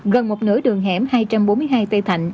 gần một nửa đường hẻm hai trăm bốn mươi hai tây thành